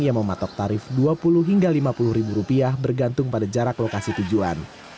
yang mematok tarif dua puluh hingga lima puluh ribu rupiah bergantung pada jarak lokasi tujuan